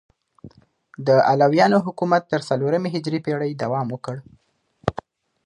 د علویانو حکومت تر څلورمې هجري پیړۍ دوام وکړ.